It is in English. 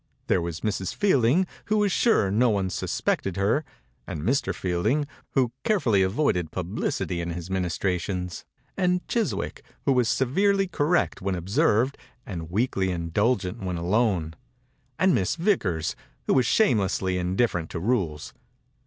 There was Mrs. Fielding, who was sure no one suspected her; and Mr. Fielding, who carefully avoided publicity in his ministrations; and Chiswick, who was severely correct when observed and weakly indulgent when alone; and Miss Vickers, who was shamelessly indifferent to rules.